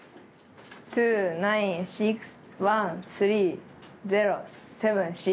２９６１３０７６。